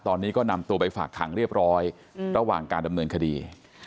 ตอนนี้ก็นำตัวไปฝากขังเรียบร้อยระหว่างการดำเนินคดี